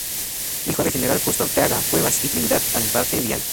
Hijo del general Justo Arteaga Cuevas y Trinidad Alemparte Vial.